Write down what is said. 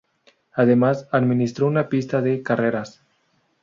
Además, administró una pista de carreras.